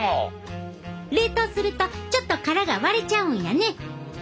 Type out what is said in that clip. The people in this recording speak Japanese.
冷凍するとちょっと殻が割れちゃうんやね。